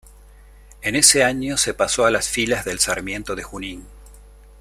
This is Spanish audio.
En ese año se pasó a las filas del Sarmiento de Junín.